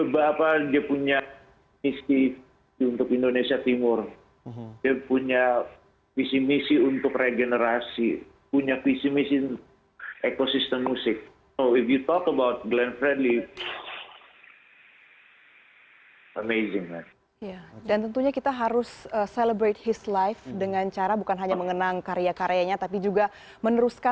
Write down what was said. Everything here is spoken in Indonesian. bapak dia punya misi untuk indonesia timur dia punya misi misi untuk regenerasi punya misi misi ekosistem musik